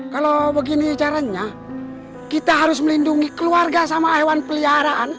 kalau begini caranya kita harus melindungi keluarga sama hewan peliharaan